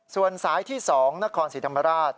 ส่วนสายที่๒นครศรีธรรมราช